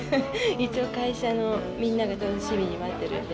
一応会社のみんなが楽しみに待ってるんで。